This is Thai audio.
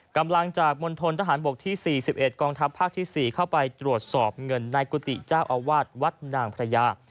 กำลังจากมณฑนทหารบกที่๔๑กองทัพภาคที่๔เข้าไปตรวจสอบเงินในกุฏิเจ้าอาวาสวัดนางพระยา